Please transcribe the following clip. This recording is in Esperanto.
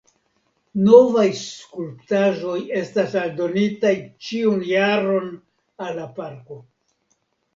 Novaj skulptaĵoj estas aldonitaj ĉiun jaron al la parko.